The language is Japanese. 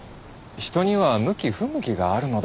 人には向き不向きがあるのだ。